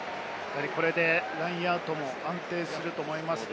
これでラインアウトも安定すると思いますね。